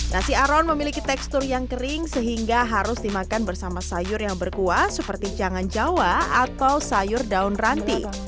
nasi aron memiliki tekstur yang kering sehingga harus dimakan bersama sayur yang berkuah seperti jangan jawa atau sayur daun ranti